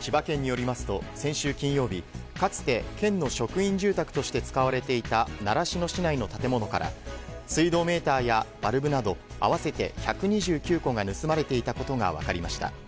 千葉県によりますと先週金曜日かつて県の職員住宅として使われていた習志野市内の建物から水道メーターやバルブなど合わせて１２９個が盗まれていたことが分かりました。